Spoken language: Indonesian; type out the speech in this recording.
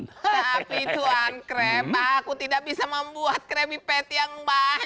tapi tuan kreb aku tidak bisa membuat krebi pet yang banyak